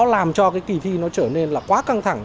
làm cho cái kỳ thi nó trở nên là quá căng thẳng